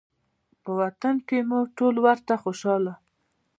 په وطن کې یو موږ ټول ورته خوشحاله